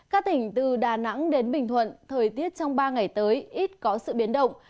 các tỉnh từ đà nẵng đến bình thuận thời tiết trong ba ngày tới ít có sự biến động